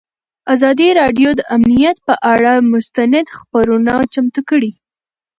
ازادي راډیو د امنیت پر اړه مستند خپرونه چمتو کړې.